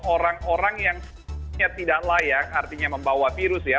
orang orang yang tidak layak artinya membawa virus ya